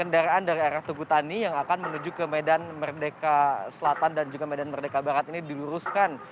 kendaraan dari arah tugutani yang akan menuju ke medan merdeka selatan dan juga medan merdeka barat ini diluruskan